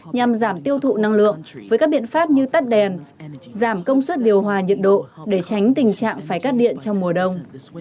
nhằm giảm tiêu thụ năng lượng với các biện pháp như tắt đèn giảm công suất điều hòa nhiệt độ để tránh tình trạng phải cắt điện trong mùa đông